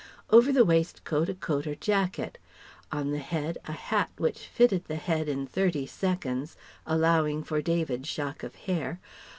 Over the waistcoat a coat or jacket. On the head a hat which fitted the head in thirty seconds (allowing for David's shock of hair).